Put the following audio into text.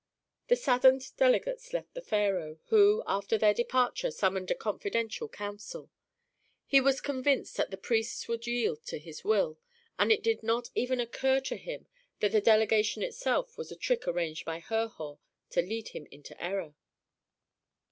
The saddened delegates left the pharaoh, who after their departure summoned a confidential council. He was convinced that the priests would yield to his will, and it did not even occur to him that the delegation itself was a trick arranged by Herhor to lead him into error.